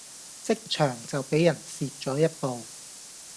職場就比人蝕左一步